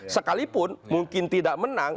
sekalipun mungkin tidak menang